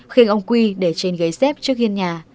khiến ông q để trên ghế xếp trước ghiên nhà